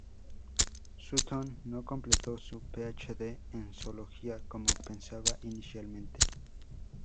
Sutton no completó su PhD en Zoología como pensaba inicialmente.